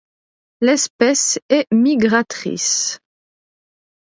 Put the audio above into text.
L'espèce est migratrice.